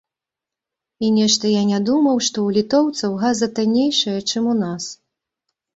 І нешта я не думаю, што ў літоўцаў газа таннейшая, чым у нас.